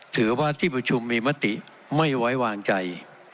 ถือว่าที่ประชุมมีมติไม่ไว้วางใจ